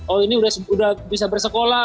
oh ini udah bisa bersekolah